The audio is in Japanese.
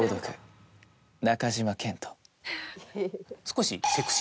少し。